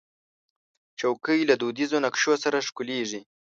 چوکۍ له دودیزو نقشو سره ښکليږي.